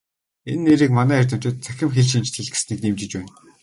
Энэ нэрийг манай эрдэмтэд "Цахим хэлшинжлэл" гэснийг дэмжиж байна.